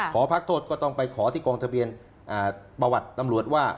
ขอพักโทษก็ต้องไปขอที่กองทะเบียนประวัติตำรวจว่า